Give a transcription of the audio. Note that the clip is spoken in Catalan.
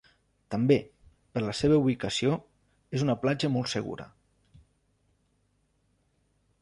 També, per la seva ubicació, és una platja molt segura.